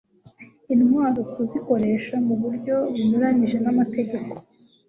intwaro kuzikoresha mu buryo bunyuranije n'amategeko